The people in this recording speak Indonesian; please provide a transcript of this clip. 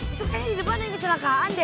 itu kayaknya di depan ada kecelakaan deh